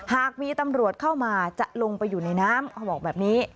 หากมีตำรวจเข้ามาจะลงไปอยู่ในน้ำเขาบอกแบบนี้